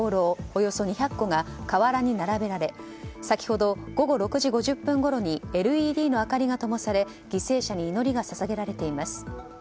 およそ２００個が河原に並べられ先ほど、午後６時５０分ごろにＬＥＤの明かりがともされ犠牲者に祈りが捧げられています。